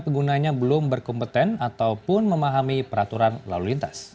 penggunanya belum berkompeten ataupun memahami peraturan lalu lintas